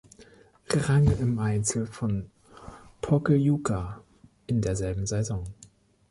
Rang im Einzel von Pokljuka in derselben Saison.